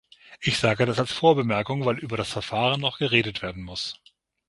Ich sage das als Vorbemerkung, weil über das Verfahren noch geredet werden muss.